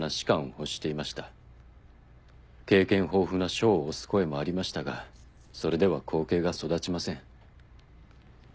経験豊富な将を推す声もありましたがそれでは後継が育ちません。